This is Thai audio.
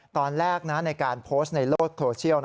ตอนแรกในการโพสต์ในโลกโซเชียล